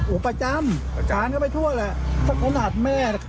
อื่นประจำการ้าไปทั่วล่ะสักขนาดแม่